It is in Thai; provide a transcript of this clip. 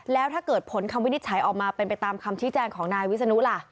แล้วถ้าเกิดผลคำวินิจฉัยออกมาเป็นไปตามคำชี้แจงของนายวิศนุล่ะ